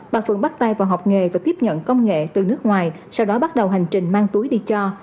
bà phượng bắt tay vào học nghề và tiếp nhận công nghệ từ nước ngoài sau đó bắt đầu hành trình mang túi đi cho